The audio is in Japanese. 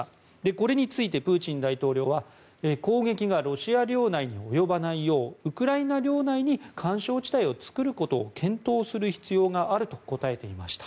これについてプーチン大統領は攻撃がロシア領内に及ばないようウクライナ領内に緩衝地帯を作ることを検討する必要があると答えていました。